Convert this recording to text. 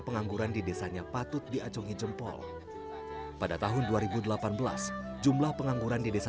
pengangguran di desanya patut diacungi jempol pada tahun dua ribu delapan belas jumlah pengangguran di desa